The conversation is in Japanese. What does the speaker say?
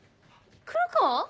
黒川